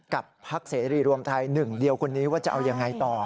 พักเสรีรวมไทยหนึ่งเดียวคนนี้ว่าจะเอายังไงต่อ